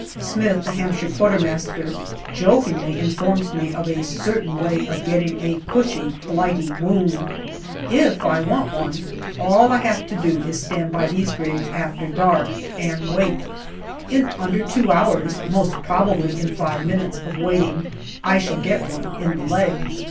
Smith, the Hampshire Quartermaster, jokingly informs me of a certain way of getting a cushy Blighty wound. If I want one, ah 1 I have to do is to stand by these graves after dark, and wait. In under two hours, most probably in five minutes of waiting, I shall get one in the leg.